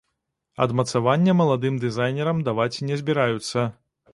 Адмацавання маладым дызайнерам даваць не збіраюцца.